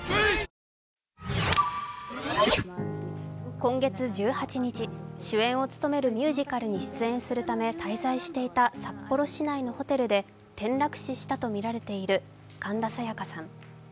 今月１８日、主演を務めるミュージカルに出演するため滞在していた札幌市内のホテルで転落死したとみられている神田沙也加さん。